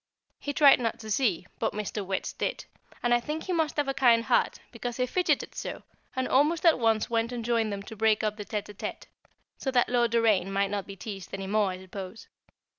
He tried not to see, but Mr. Wertz did, and I think he must have a kind heart, because he fidgeted so, and almost at once went and joined them to break up the tête à tête, so that Lord Doraine might not be teased any more, I suppose.